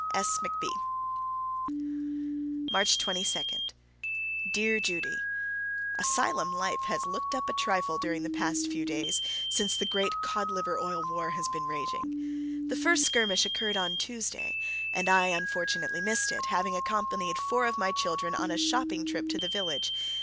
S. McB. March 22. Dear Judy: Asylum life has looked up a trifle during the past few days since the great Cod Liver Oil War has been raging. The first skirmish occurred on Tuesday, and I unfortunately missed it, having accompanied four of my children on a shopping trip to the village.